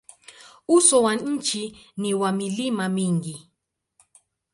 Uso wa nchi ni wa milima mingi.